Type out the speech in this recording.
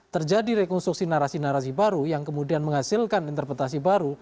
terjadi rekonstruksi narasi narasi baru yang kemudian menghasilkan interpretasi baru